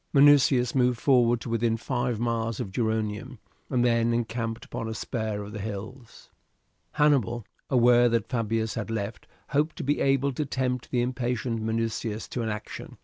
Minucius moved forward to within five miles of Geronium, and then encamped upon a spur of the hills. Hannibal, aware that Fabius had left, hoped to be able to tempt the impatient Minucius to an action.